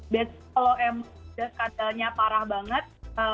biasa kalau skandalnya parah banget